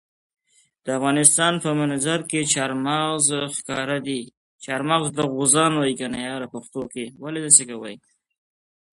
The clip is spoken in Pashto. د افغانستان په منظره کې چار مغز ښکاره ده.